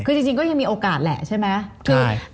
คือจริงก็ยังมีโอกาสแหละใช่ไหม